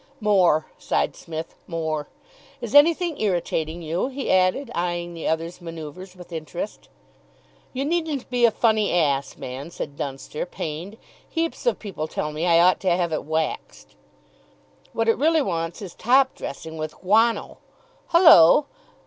"More," sighed Psmith, "more. Is anything irritating you?" he added, eyeing the other's manoeuvres with interest. "You needn't be a funny ass, man," said Dunster, pained; "heaps of people tell me I ought to have it waxed." "What it really wants is top dressing with guano. Hullo!